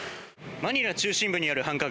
マニラ中心部にある繁華街